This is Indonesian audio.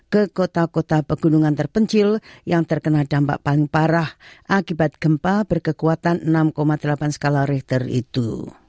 ke kota kota pegunungan terpencil yang terkena dampak paling parah akibat gempa berkekuatan enam delapan skala richter itu